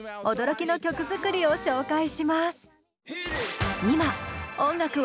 驚きの曲作りを紹介します！